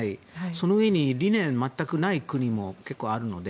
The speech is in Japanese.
そのうえに理念が全くない国が結構、あるので。